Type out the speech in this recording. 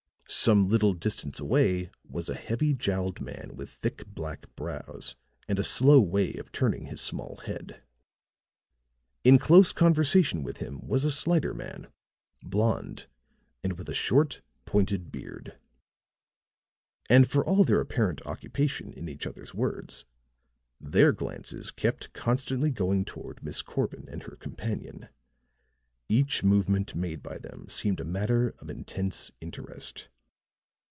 Some little distance away was a heavy jowled man with thick black brows and a slow way of turning his small head; in close conversation with him was a slighter man, blond, and with a short, pointed beard. And, for all their apparent occupation in each other's words, their glances kept constantly going toward Miss Corbin and her companion; each movement made by them seemed a matter of intense interest.